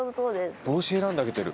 帽子選んであげてる。